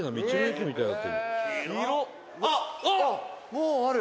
「もうある」